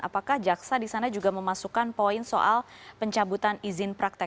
apakah jaksa di sana juga memasukkan poin soal pencabutan izin praktek